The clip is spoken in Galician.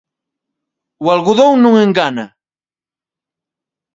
O algodón non engana.